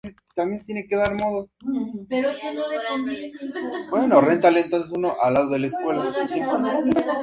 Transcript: La fachada principal, orientada al norte, destaca por su ornamentación.